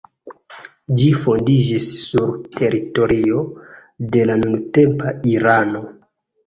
Ĝi fondiĝis sur teritorio de la nuntempa Irano.